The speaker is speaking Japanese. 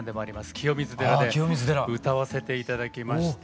清水寺で歌わせて頂きまして。